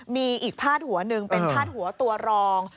มีอีกพาดหัวหนึ่งเป็นพาดหัวตัวรอง